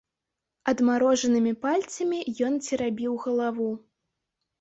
Адмарожанымі пальцамі ён церабіў галаву.